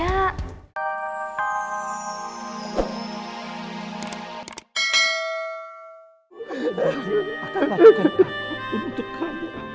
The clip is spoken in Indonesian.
bapak sesungguh sana